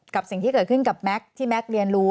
กับสิ่งที่เกิดขึ้นกับแม็กซ์ที่แก๊กเรียนรู้